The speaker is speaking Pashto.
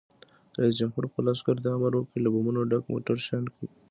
رئیس جمهور خپلو عسکرو ته امر وکړ؛ له بمونو ډک موټر شنډ کړئ!